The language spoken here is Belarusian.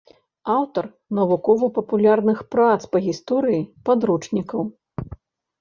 Аўтар навукова-папулярных прац па гісторыі, падручнікаў.